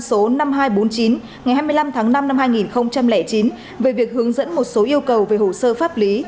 số năm nghìn hai trăm bốn mươi chín ngày hai mươi năm tháng năm năm hai nghìn chín về việc hướng dẫn một số yêu cầu về hồ sơ pháp lý